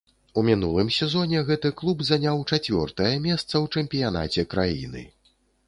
У мінулым сезоне гэты клуб заняў чацвёртае месца ў чэмпіянаце краіны.